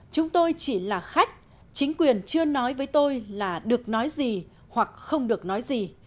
chúng tôi chỉ là khách chính quyền chưa nói với tôi là được nói gì hoặc không được nói gì